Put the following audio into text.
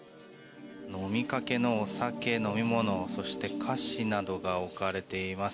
飲みかけのお酒、飲み物そして菓子などが置かれています。